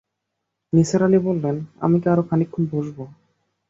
নিসার আলি বললেন, আমি কি আরো খানিকক্ষণ বসব?